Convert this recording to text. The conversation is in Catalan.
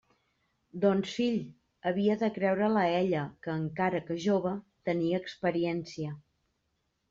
Doncs fill, havia de creure-la a ella, que, encara que jove, tenia experiència.